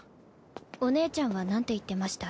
お姉ちゃんはなんて言ってました？